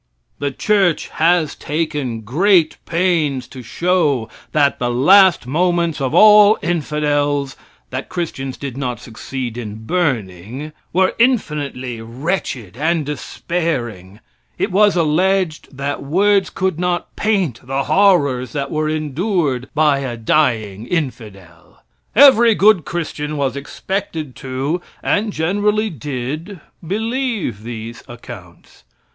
The church has taken great pains to show that the last moments of all infidels (that Christians did not succeed in burning) were infinitely wretched and despairing. It was alleged that words could not paint the horrors that were endured by a dying infidel. Every good Christian was expected to, and generally did, believe these accounts.